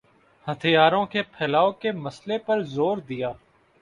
ہتھیاروں کے پھیلاؤ کے مسئلے پر زور دیا